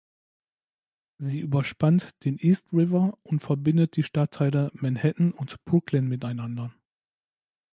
Sie überspannt den East River und verbindet die Stadtteile Manhattan und Brooklyn miteinander.